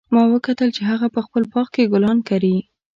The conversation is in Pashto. ما وکتل چې هغه په خپل باغ کې ګلان کري